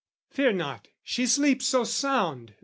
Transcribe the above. "Fear not: she sleeps so sound!"